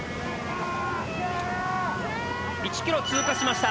１ｋｍ通過しました。